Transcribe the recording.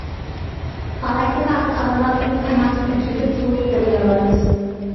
پالەكنى پاكىز ئادالاپ يۇيۇپ قايناق سۇدىن ئۆتكۈزۈپ سوۋۇتۇپ تەييارلىۋالىمىز.